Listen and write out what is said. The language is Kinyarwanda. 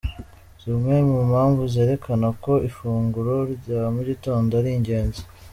Zimwe mu mpamvu zerekana ko ifunguro rya mu gitondo ari ingenzi:.